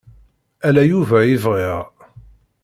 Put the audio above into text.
Ala Yuba i bɣiɣ.